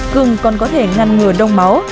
gừng còn có thể ngăn ngừa đông máu